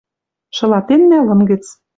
Шылатеннӓ лым гӹц